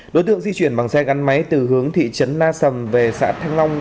đối tượng di chuyển bằng xe gắn máy từ hướng thị trấn na sầm về xã thăng long